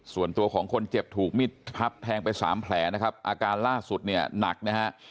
ส่วนตัวของคนเจ็บถูกมิดพับแทงไปสามแผลนะครับอาการล่าสุดเนี่ยหนักนะฮะ